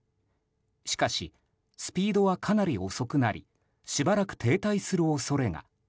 しかしスピードはかなり遅くなりしばらく停滞する恐れが。